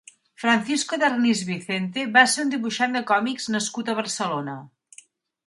Francisco Darnís Vicente va ser un dibuixant de còmics nascut a Barcelona.